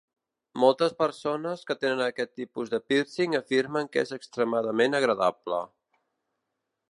Moltes persones que tenen aquest tipus de pírcing afirmen que és extremadament agradable.